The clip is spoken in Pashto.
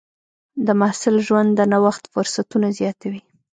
د محصل ژوند د نوښت فرصتونه زیاتوي.